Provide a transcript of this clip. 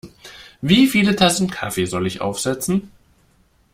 Wie viele Tassen Kaffee soll ich aufsetzen?